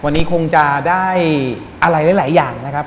วันนี้คงจะได้อะไรหลายอย่างนะครับ